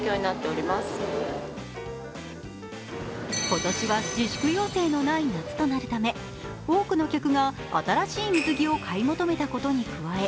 今年は自粛要請のない夏となるため多くの客が新しい水着を買い求めたことに加え